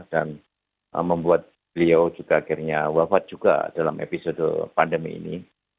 dan membuat beliau juga akhirnya wafat juga dalam episode pandemi ini